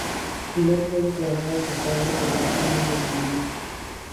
Pilar fue declarada culpable por el crimen de su marido.